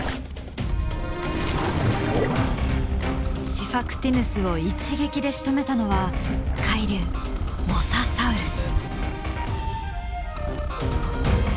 シファクティヌスを一撃でしとめたのは海竜モササウルス。